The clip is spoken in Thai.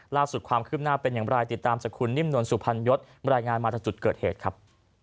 ล่าสุดความคืบหน้าเป็นอย่างไรติดตามจากคุณนิ่มนวลสุพรรณยศบรรยายงานมาจากจุดเกิดเหตุครับ